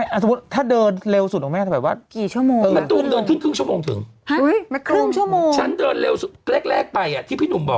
ไม่สมมติถ้าเดินเร็วสุดของแม่ก็จะแบบว่ากี่ชั่วโมงครับ